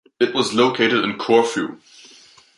It was located in Corfu.